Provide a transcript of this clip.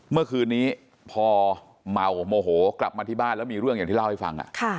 เมื่อคืนนี้พอเมาโมโหกลับมาที่บ้านแล้วมีเรื่องอย่างที่เล่าให้ฟัง